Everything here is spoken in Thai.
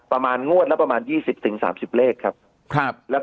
ประมาณงวดแล้วประมาณ๒๐๓๐เลขครับครับ